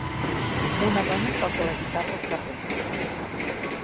una dona toca la guitarra al carrer